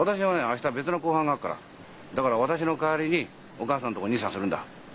明日別の公判があるからだから私の代わりにお母さんのとこ日参するんだ。